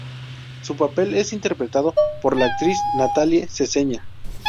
Su papel es interpretado por la actriz Nathalie Seseña.